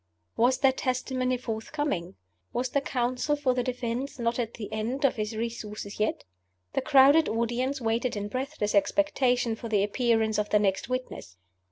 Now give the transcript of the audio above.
Was that testimony forthcoming? Was the counsel for the defense not at the end of his resources yet? The crowded audience waited in breathless expectation for the appearance of the next witness.